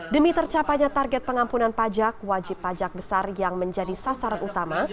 demi tercapainya target pengampunan pajak wajib pajak besar yang menjadi sasaran utama